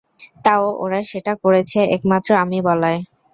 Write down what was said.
তাও ওরা সেটা করেছে একমাত্র আমি বলায়।